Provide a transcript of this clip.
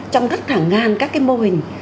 trong rất thẳng ngang các cái mô hình